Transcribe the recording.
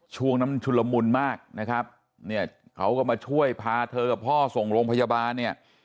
ช่วงนั้นชุลมุนมากนะครับเนี่ยเขาก็มาช่วยพาเธอกับพ่อส่งโรงพยาบาลเนี่ย